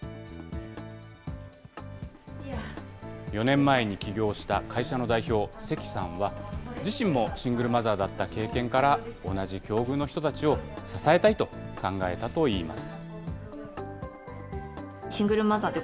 ４年前に起業した会社の代表、石さんは、自身もシングルマザーだった経験から、同じ境遇の人たちを支えたいと考えたといいます。